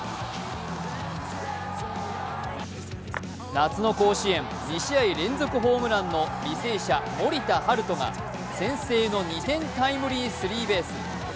夏の甲子園２試合連続ホームランの履正社・森田大翔が先制の２点タイムリースリーベース。